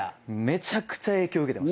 めちゃくちゃ影響受けてんだ